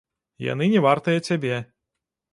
Яны не вартыя цябе.